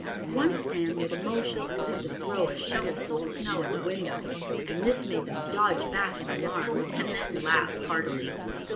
Once Sam made a motion as if to throw a shovelful of snow at the window, and this made them dodge back in alarm and then laugh heartily.